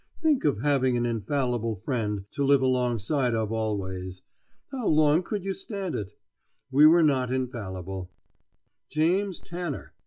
Think of having an infallible friend to live alongside of always! How long could you stand it? We were not infallible, James Tanner!